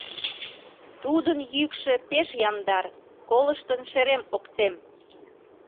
Тудын йӱкшӧ пеш яндар — Колыштын шерем ок тем.